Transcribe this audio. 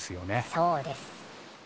そうです。